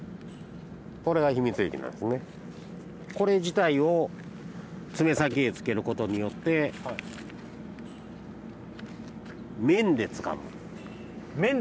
これ自体を爪先へつけることによって面でつかむ。